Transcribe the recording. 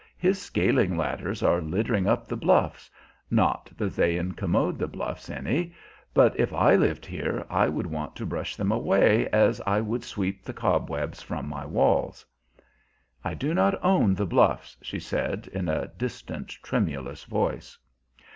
His scaling ladders are littering up the bluffs not that they incommode the bluffs any; but if I lived here, I should want to brush them away as I would sweep the cobwebs from my walls." "I do not own the bluffs," she said in a distant, tremulous voice.